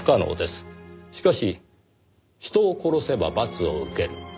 しかし人を殺せば罰を受ける。